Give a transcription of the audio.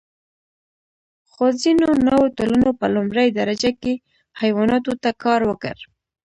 خو ځینو نوو ټولنو په لومړۍ درجه کې حیواناتو ته کار ورکړ.